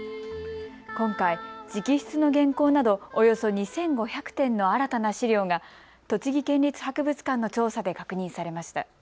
今回、直筆の原稿などおよそ２５００点の新たな資料が栃木県立博物館の調査で確認されました。